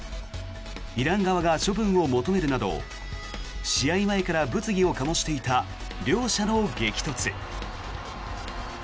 イラン側が処分を求めるなど試合前から物議を醸していた両者の激突。